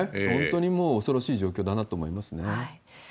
本当にもう、恐ろしい状況だなと思いますよね。